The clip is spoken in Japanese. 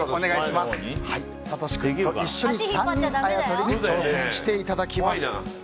サトシ君と一緒に３人あやとりに挑戦していただきます。